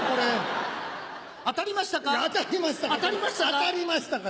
当たりましたか？